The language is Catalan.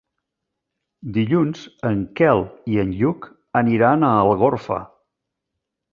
Dilluns en Quel i en Lluc aniran a Algorfa.